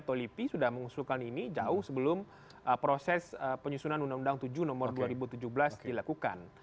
atau lipi sudah mengusulkan ini jauh sebelum proses penyusunan undang undang tujuh nomor dua ribu tujuh belas dilakukan